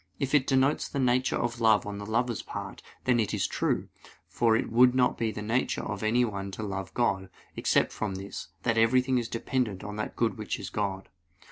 If it denotes the nature of love on the lover's part, then it is true; for it would not be in the nature of anyone to love God, except from this that everything is dependent on that good which is God.